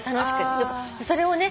それをね